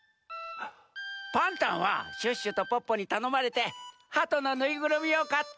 パンタンはシュッシュとポッポにたのまれてハトのぬいぐるみをかって。